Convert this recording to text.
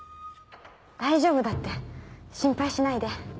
大丈夫だって心配しないで。